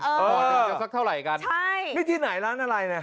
หนึ่งจะสักเท่าไหร่กันใช่นี่ที่ไหนร้านอะไรเนี่ย